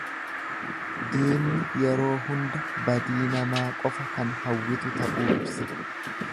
Diinni yeroo hunda badii namaa qofa kan hawwitu ta'uu ibsa.